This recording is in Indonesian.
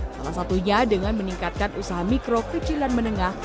salah satunya dengan meningkatkan usaha mikro kecil dan menengah